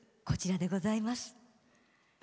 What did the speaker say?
こちらでございます。